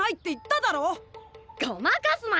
ごまかすな！